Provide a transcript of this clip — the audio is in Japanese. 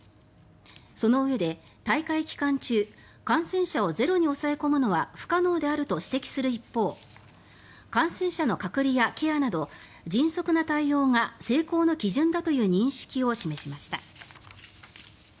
そのうえで大会期間中感染者をゼロに抑え込むのは不可能であると指摘する一方感染者の隔離やケアなど迅速な対応が成功の基準だという認識を示しました。